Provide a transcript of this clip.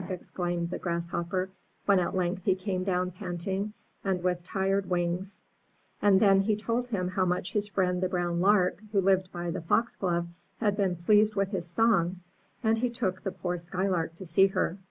*' exclaimed the Grasshopper, when at length he came down panting, and with tired wings; and then he told him how much his friend the brown Lark, who lived by the foxglove, had been pleased with his song, and he took the poor Skylark to see her.